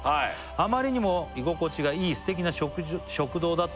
「あまりにも居心地がいい素敵な食堂だったので」